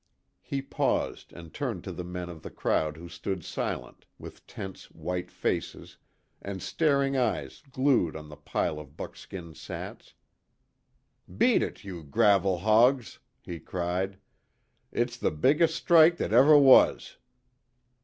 He paused and turned to the men of the crowd who stood silent, with tense white faces, and staring eyes glued on the pile of buckskin sacks: "Beat it, you gravel hogs!" he cried, "It's the biggest strike that ever was!